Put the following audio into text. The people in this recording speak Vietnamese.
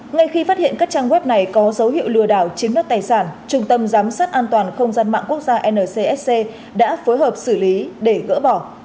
ngay khi phát hiện các trang web này có dấu hiệu lừa đảo chiếm đất tài sản trung tâm giám sát an toàn không gian mạng quốc gia ncsc đã phối hợp xử lý để gỡ bỏ